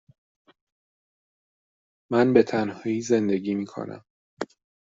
من به تنهایی زندگی می کنم.